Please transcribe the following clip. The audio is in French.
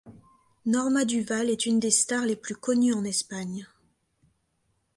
Norma Duval est une des stars les plus connues en Espagne.